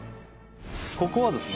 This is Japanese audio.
ここはですね